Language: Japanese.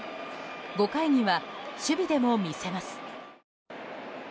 ５回には守備でも見せます。